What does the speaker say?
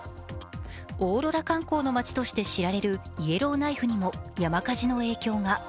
オーロラ観光の町として知られるイエローナイフにも山火事の影響が。